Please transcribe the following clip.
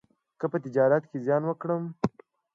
که په تجارت کې زیان وکړم،